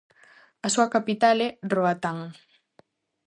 A súa capital é Roatán.